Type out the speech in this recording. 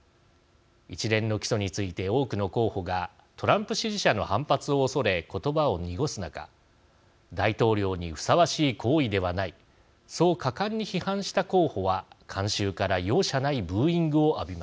一連の起訴について多くの候補がトランプ支持者の反発を恐れ言葉を濁す中大統領にふさわしい行為ではないそう果敢に批判した候補は観衆から容赦ないブーイングを浴びました。